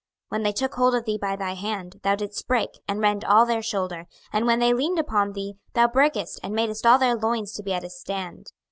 26:029:007 When they took hold of thee by thy hand, thou didst break, and rend all their shoulder: and when they leaned upon thee, thou brakest, and madest all their loins to be at a stand.